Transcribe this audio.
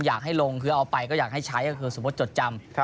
อยากให้ลงคือเอาไปก็อยากให้ใช้ก็คือสมมุติจดจำ